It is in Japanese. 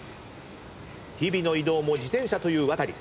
日々の移動も自転車というワタリ。